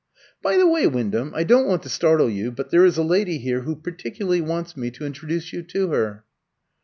"By the way, Wyndham I don't want to startle you, but there is a lady here who particularly wants me to introduce you to her."